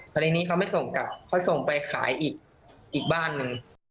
พอดีนี้เขาไม่ส่งกลับเขาส่งไปขายอีกบ้านหนึ่ง